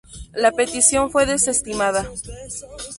La petición fue desestimada.